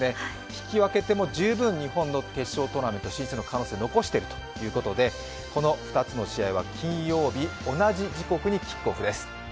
引き分けても十分日本の決勝トーナメント進出の可能性を残しているということで、この２つの試合は金曜日同じ時刻にキックオフです。